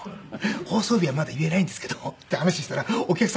「放送日はまだ言えないんですけど」って話してたらお客様も。